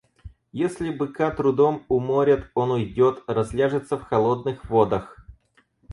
Если быка трудом уморят — он уйдет, разляжется в холодных водах.